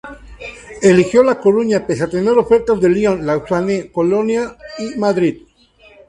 Eligió La Coruña pese a tener ofertas de Lyon, Lausanne, Colonia y Madrid.